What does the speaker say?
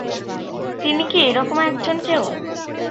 তিনি কি এ রকম একজন কেউ?